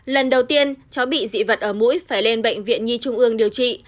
lần đầu tiên cháu bị dị vật ở mũi phải lên bệnh viện nhi trung ương điều trị